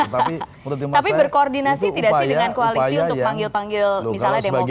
tapi berkoordinasi tidak sih dengan koalisi untuk panggil panggil misalnya demokrat